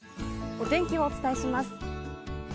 お天気をお伝えします。